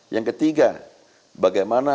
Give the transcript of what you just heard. yang ketiga bagaimana